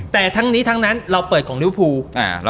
แต่ทั้งนี้ทั้งนั้นเราเปิดของริวภู